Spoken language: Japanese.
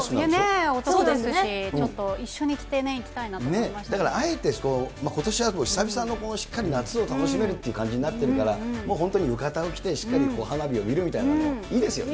ちょっと一緒に着て行きたいだからあえて、ことしは久々の夏を楽しめるっていう感じになっているから、本当に浴衣を着て、しっかり花火を見るみたいなの、いいですよね。